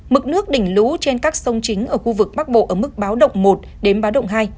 mực nước đỉnh lũ trên các sông chính ở khu vực bắc bộ ở mức báo động một đến báo động hai